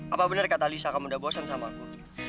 apa benar kata alisa kamu udah bosan sama aku